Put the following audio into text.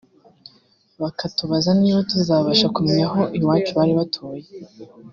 bakatubaza niba tuzabasha kumenya aho iwacu bari batuye